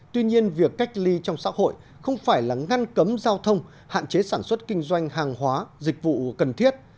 tuy nhiên việc cách ly trong xã hội không phải là ngăn cấm giao thông hạn chế sản xuất kinh doanh hàng hóa dịch vụ cần thiết